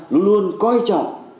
luôn luôn coi trọng